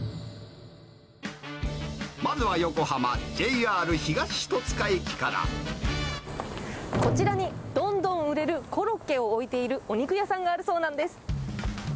まずは、こちらにどんどん売れるコロッケを置いているお肉屋さんがあるそうなんです。